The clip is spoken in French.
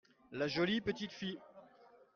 la jolie petite fille.